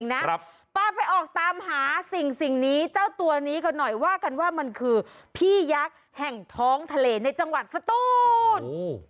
นะป้าไปออกตามหาสิ่งนี้เจ้าตัวนี้กันหน่อยว่ากันว่ามันคือพี่ยักษ์แห่งท้องทะเลในจังหวัดสตูน